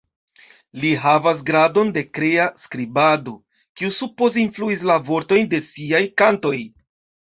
Li havas gradon de krea skribado, kiu supoze influis la vortojn de siaj kantoj.